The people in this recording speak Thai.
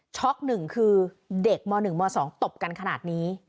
หนึ่งคือเด็กม๑ม๒ตบกันขนาดนี้